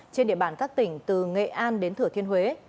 trên địa bàn các tỉnh từ nghệ an đến thửa thiên huế